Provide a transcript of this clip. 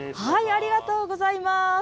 ありがとうございます。